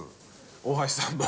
大橋さんも。